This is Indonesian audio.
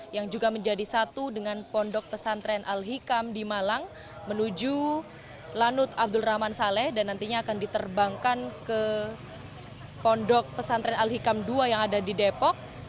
yang juga menjadi satu dengan pondok pesantren al hikam di malang menuju lanut abdul rahman saleh dan nantinya akan diterbangkan ke pondok pesantren al hikam dua yang ada di depok